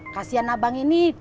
kasian abang ini